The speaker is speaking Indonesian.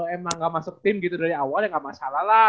emang gak masuk tim gitu dari awal ya nggak masalah lah